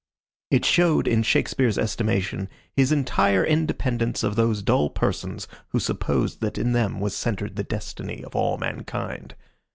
It showed, in Shakespeare's estimation, his entire independence of those dull persons who supposed that in them was centred the destiny of all mankind.